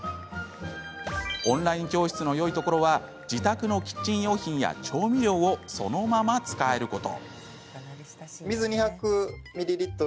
オンライン教室のよいところは自宅のキッチン用品や調味料をそのまま使えること。